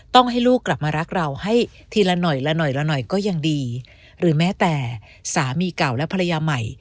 ต้องให้ลูกกลับมารักเราให้ทีละหน่อยละหน่อยละหน่อยก็ยังดีหรือแม้แต่สามีเก่าและภรรยาใหม่